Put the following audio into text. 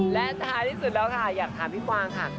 และท้ายที่สุดแล้วค่ะอยากถามพี่กวางค่ะ